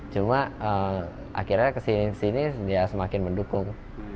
cuma akhirnya kesini kesini dia semakin mendukung